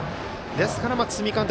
ですから、堤監督